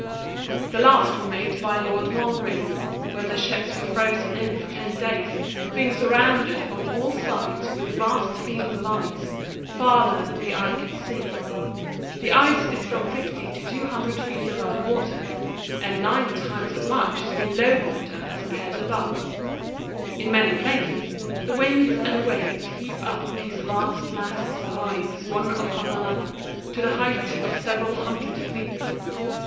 The 14 ICY SEA. last were made by Lord Mulgrave; when the ships were frozen in for ten days, being sur¬ rounded on all sides with vast fields of ice, far¬ ther than the eye could see. The ice is from 50 to 200 feet above water, and nine times as much is below water as appears above. In many places the winds and waves heap up these vast masses of ice one upon another, to the height of several hundred feet.